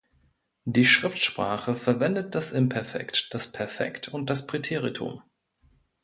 Die Schriftsprache verwendet das Imperfekt, das Perfekt oder das Präteritum.